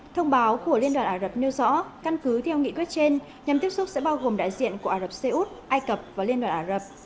thông báo của liên đoàn ả rập nêu rõ căn cứ theo nghị quyết trên nhằm tiếp xúc sẽ bao gồm đại diện của ả rập xê út ai cập và liên đoàn ả rập